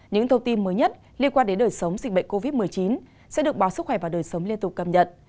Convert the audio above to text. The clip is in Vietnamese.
những thông tin mới nhất liên quan đến đời sống dịch bệnh covid một mươi chín sẽ được báo sức khỏe và đời sống liên tục cập nhật